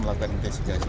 berapa orang yang diberi